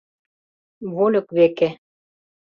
Вольык веке